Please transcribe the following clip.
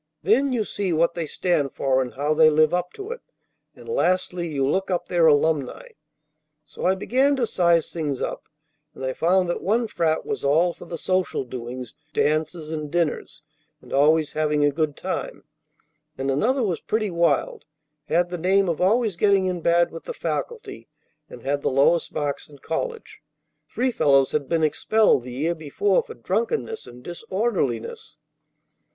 Then you see what they stand for, and how they live up to it; and lastly you look up their alumni.' So I began to size things up, and I found that one frat was all for the social doings, dances, and dinners, and always having a good time; and another was pretty wild, had the name of always getting in bad with the faculty, and had the lowest marks in college; three fellows had been expelled the year before for drunkenness and disorderliness.